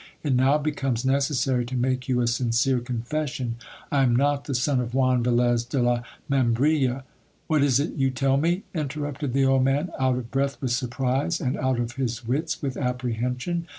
It now becomes necessary to make you a sincere confession. I am not the son of Juan Velez de la Membrilla. What is it you tell me ? interrupted the old man, out of breath with surprise, and out of his wits with apprehension.